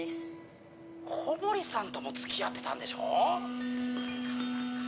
小森さんとも付き合ってたんでしょ？